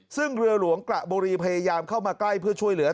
ซึ่งเรือหลวงกระบุรีพยายามเข้ามาใกล้เพื่อช่วยเหลือ